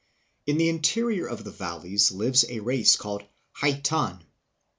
"In the in terior of the valleys lives a race called Hai tan (Aeta).